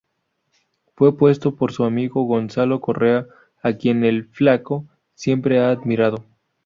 Fue puesto por su amigo Gonzalo Correa, a quien "El Flaco" siempre ha admirado.